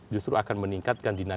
justru akan meningkatkan dinamika